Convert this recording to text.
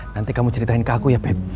nanti kamu ceritain ke aku ya pep